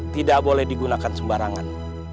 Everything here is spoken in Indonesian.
tidak boleh digunakan sembarangan